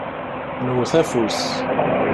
Newwet afus.